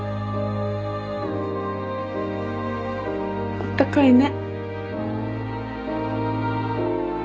あったかいね。